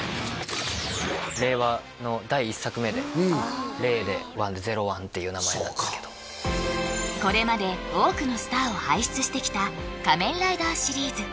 令和の第１作目で「れい」で「ワン」で「ゼロワン」っていう名前なんですけどこれまで多くのスターを輩出してきた仮面ライダーシリーズ